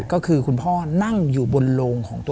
ก็คือคุณพ่อนั่งอยู่บนโลงของตัว